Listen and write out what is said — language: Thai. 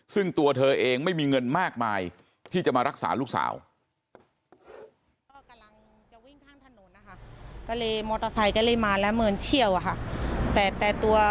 ซึ่งตัวเธอเองไม่มีเงินมากมายที่จะมารักษาลูกสาว